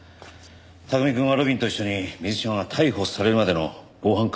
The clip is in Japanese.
拓海くんは路敏と一緒に水島が逮捕されるまでの防犯カメラのチェックを頼む。